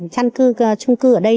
trăn cư trung cư ở đây